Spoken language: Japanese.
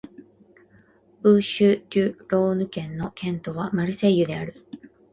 ブーシュ＝デュ＝ローヌ県の県都はマルセイユである